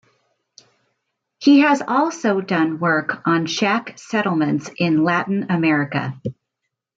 He has also done work on shack settlements in Latin America.